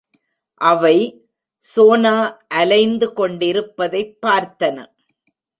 அவை சோனா அலைந்து கொண்டிருப்பதைப் பார்த்தன.